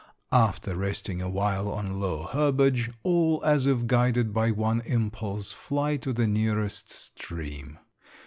After resting awhile on low herbage, all, as if guided by one impulse, fly to the nearest stream.